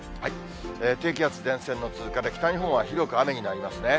低気圧、前線の通過で北日本は広く雨になりますね。